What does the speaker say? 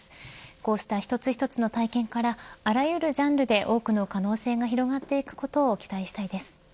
こうした一つ一つの体験からあらゆるジャンルで多くの可能性が広がっていくことを期待したいです。